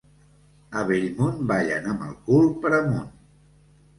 A Bellmunt ballen amb el cul per amunt.